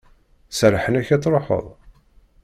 Serrḥen-ak ad truḥeḍ?